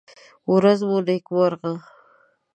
ورڅ مو نېکمرغه!